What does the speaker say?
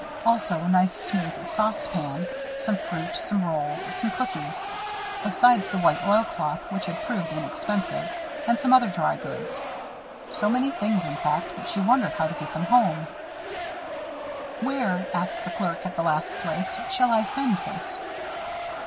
Also a nice smooth saucepan, some fruit, some rolls, some cookies; besides the white oilcloth, which had proved inexpensive; and some other drygoods. So many things, in fact, that she wondered how to get them home. [Illustration: SHE ALMOST BUMPED INTO A FORMER ACQUAINTANCE] "Where," asked the clerk, at the last place, "shall I send this?"